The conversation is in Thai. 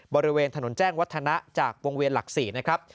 บริเวณถนนแจ้งวัฒนะจากวงเวียนหลัก๔นะครับ